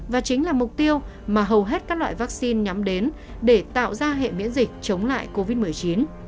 và chính là mục tiêu mà hầu hết các loại vaccine nhắm đến để tạo ra hệ miễn dịch chống lại covid một mươi chín